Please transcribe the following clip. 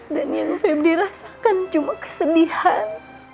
dan yang febri rasakan cuma kesedihan